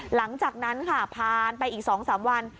หลังจากนั้นค่ะผ่านไปอีก๒๓วัน